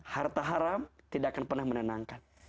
harta haram tidak akan pernah menenangkan